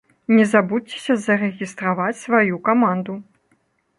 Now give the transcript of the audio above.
Не забудзьцеся зарэгістраваць сваю каманду!